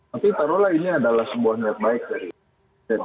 tapi taruhlah ini adalah sebuah net baik dari media masyarakat